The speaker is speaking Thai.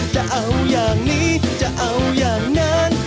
จะเอาอย่างนี้จะเอาอย่างนั้น